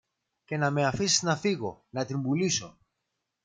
και να με αφήσεις να φύγω, να την πουλήσω